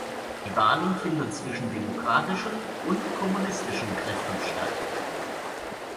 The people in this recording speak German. Die Wahlen finden zwischen demokratischen und kommunistischen Kräften statt.